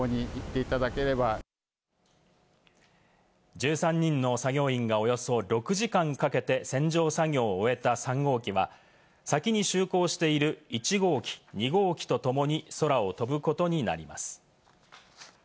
１３人の作業員がおよそ６時間かけて洗浄作業を終えた３号機は先に就航している１号機、２号機とともに空を飛ぶことになります。